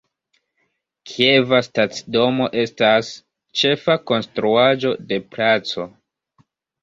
Kieva stacidomo estas ĉefa konstruaĵo de placo.